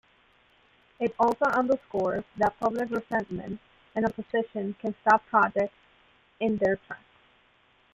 It also "underscores that public resentment and opposition can stop projects in their tracks".